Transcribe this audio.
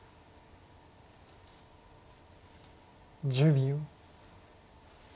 １０秒。